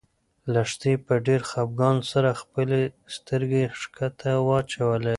لښتې په ډېر خپګان سره خپلې سترګې ښکته واچولې.